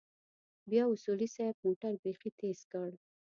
بيا اصولي صيب موټر بيخي تېز کړ.